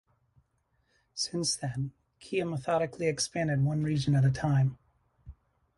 Since then, Kia methodically expanded one region at a time.